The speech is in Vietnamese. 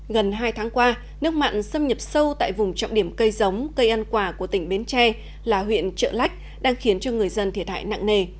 gần hai tháng qua nước mặn xâm nhập sâu tại vùng trọng điểm cây giống cây ăn quả của tỉnh bến tre là huyện trợ lách đang khiến cho người dân thiệt hại nặng nề